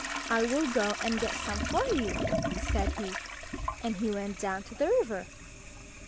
"I will go and get some for you," said he and he went down to the river.